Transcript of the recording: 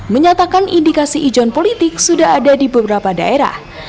menyatakan indikasi ijon politik sudah ada di beberapa daerah